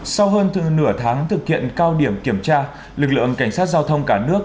sau hơn nửa tháng thực hiện cao điểm kiểm tra lực lượng cảnh sát giao thông cả nước